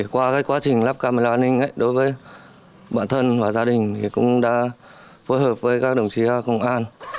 qua quá trình lắp camera an ninh đối với bản thân và gia đình cũng đã phối hợp với các đồng chí công an